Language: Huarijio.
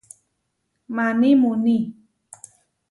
Maní muuní.